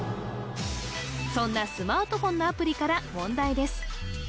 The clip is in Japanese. そんなスマートフォンのアプリから問題です